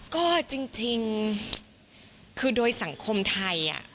ก็จริงคือโดยสังคมไทย